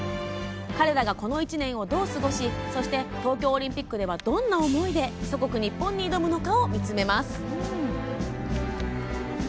彼らが、この１年をどう過ごしそして、東京オリンピックではどんな思いで祖国ニッポンに挑むのかを見つめます。